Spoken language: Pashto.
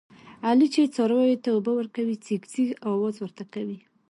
علي چې څارویو ته اوبه ورکوي، ځیږ ځیږ اواز ورته کوي.